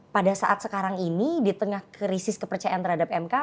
pada saat sekarang ini di tengah krisis kepercayaan terhadap mk